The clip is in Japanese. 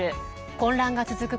混乱が続く